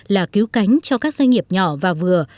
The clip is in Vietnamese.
là cứu cánh cho các doanh nghiệp nhỏ và vừa